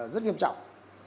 rất nghiêm trọng